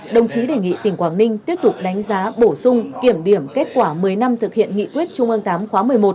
đồng chí đề nghị tỉnh quảng ninh tiếp tục đánh giá bổ sung kiểm điểm kết quả một mươi năm thực hiện nghị quyết trung ương tám khóa một mươi một